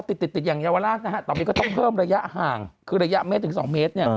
ติดอย่างยาวราชต่อไปก็เพิ่มระยะห่างคือระยะเมตรถึง๒เมตร